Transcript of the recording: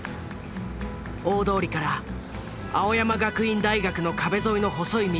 大通りから青山学院大学の壁沿いの細い道へと入る。